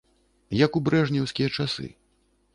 Як у брэжнеўскія часы.